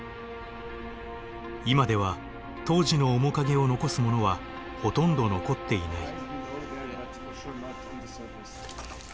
今では当時の面影を残すものはほとんど残っていない。